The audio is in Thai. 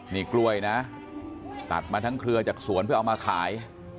นี่กล้วยนะตัดมาทั้งเครือจากสวนเพื่อเอามาขาย